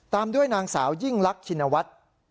ตามด้วยนางสาวยิ่งลักชินวัฒน์